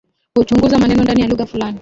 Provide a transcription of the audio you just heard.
Huchunguza maneno ndani ya lugha fulani